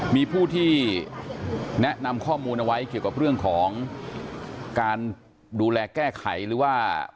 มีผู้ที่แนะนำข้อมูลเอาไว้เกี่ยวกับเรื่องของการดูแลแก้ไขหรือว่า